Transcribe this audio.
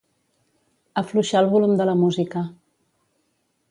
Afluixar el volum de la música.